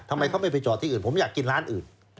ทำไมเขาไม่ไปจอดที่อื่นผมอยากกินร้านอื่น